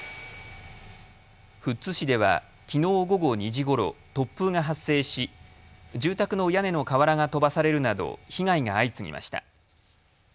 富津市ではきのう午後２時ごろ、突風が発生し住宅の屋根の瓦が飛ばされるなど被害が相次ぎました。